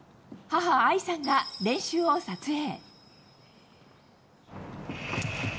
母、愛さんが練習を撮影。